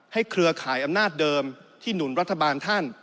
เครือข่ายอำนาจเดิมที่หนุนรัฐบาลท่าน